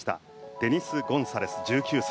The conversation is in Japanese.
デニス・ゴンサレス、１９歳。